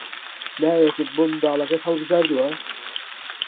ناوێکت بۆ منداڵەکەت هەڵبژاردووە؟